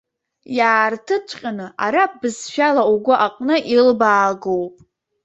Иаартыҵәҟьаны араԥ бызшәала угәы аҟны илбаагоуп.